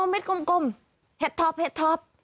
อ๋อเม็ดกลมเห็ดทอบ